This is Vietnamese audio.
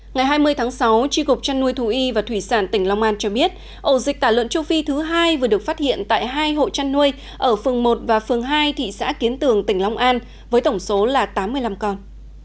ngày hai mươi tháng sáu tri cục trăn nuôi thú y và thủy sản tỉnh long an cho biết ổ dịch tả lợn châu phi thứ hai vừa được phát hiện tại hai hộ chăn nuôi ở phường một và phường hai thị xã kiến tường tỉnh long an với tổng số là tám mươi năm con